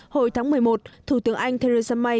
hồi tháng một mươi một thủ tướng anh theresa may